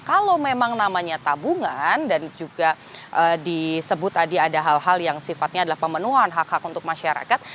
kalau memang namanya tabungan dan juga disebut tadi ada hal hal yang sifatnya adalah pemenuhan hak hak untuk masyarakat